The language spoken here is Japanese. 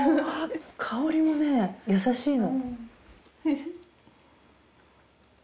香りもね優しいの。